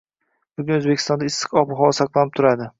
Bugun O‘zbekistonda issiq ob-havo saqlanib turadi